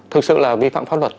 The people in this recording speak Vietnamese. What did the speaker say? thực sự là vi phạm pháp luật